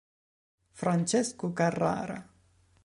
Francesco Carrara